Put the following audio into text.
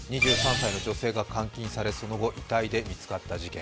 ２３歳の女性が監禁され、その後遺体で見つかった事件。